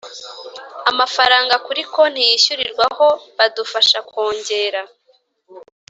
amafaranga kuri konti yishyurirwaho badufasha kongera